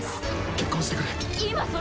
結婚してくれ。